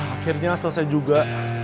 akhirnya selesai juga